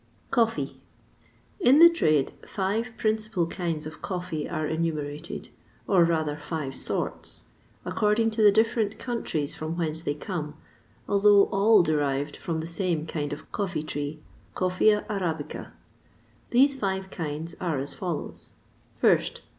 COFFEE. In the trade five principal kinds of coffee are enumerated or rather, five sorts according to the different countries from whence they come, although all derived from the same kind of coffee tree, Coffea Arabica. These five kinds are as follows: 1st.